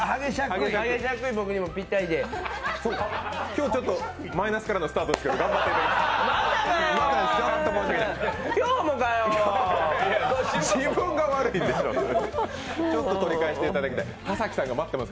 今日、マイナスからのスタートですけど、頑張ってください。